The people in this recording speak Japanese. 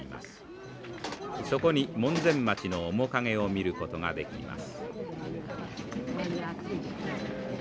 そこに門前町の面影を見ることができます。